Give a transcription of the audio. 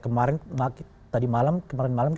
kemarin tadi malam